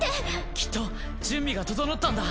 きっと準備が整ったんだ！